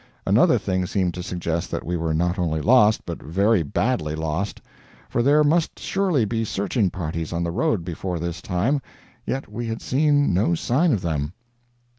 Another thing seemed to suggest that we were not only lost, but very badly lost; for there must surely be searching parties on the road before this time, yet we had seen no sign of them.